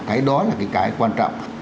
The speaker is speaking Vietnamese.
cái đó là cái quan trọng